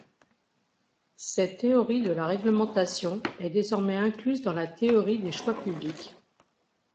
Cette théorie de la réglementation est désormais incluse dans la Théorie des choix publics.